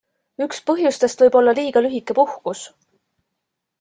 Üks põhjustest võib olla liiga lühike puhkus.